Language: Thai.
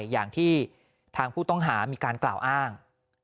อย่างที่ทางผู้ต้องหามีการกล่าวอ้าง